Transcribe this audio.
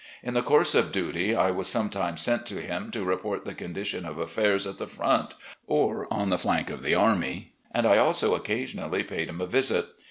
In the coxirse of duty, I was sometimes sent to him to report the condition of affairs at the front, or on the flank of the army, and I also, occasionally, paid him a visit.